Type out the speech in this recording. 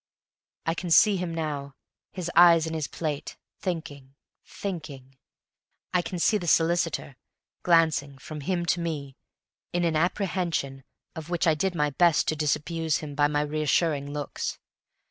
I can see him now, his eyes in his plate thinking thinking. I can see the solicitor glancing from him to me in an apprehension of which I did my best to disabuse him by reassuring looks.